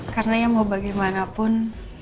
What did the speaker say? karena ya mau bagaimanapun